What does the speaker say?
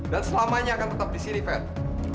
dan selamanya akan tetap di sini ferry